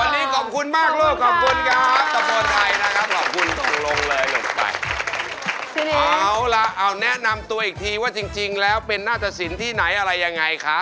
วันนี้ขอบคุณมากลูกขอบคุณครับตะโพไทยนะครับขอบคุณตรงลงเลยลงไปเอาล่ะเอาแนะนำตัวอีกทีว่าจริงแล้วเป็นหน้าตะสินที่ไหนอะไรยังไงคะ